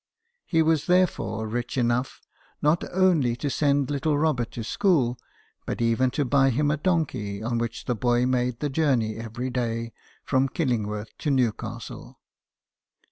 He was therefore rich enough, not only to send little Robert to school, but even to buy him a donkey, on which the boy made the journey every day from Killlngworth to Newcastle.